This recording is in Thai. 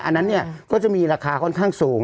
อันนั้นเนี่ยก็จะมีราคาค่อนข้างสูง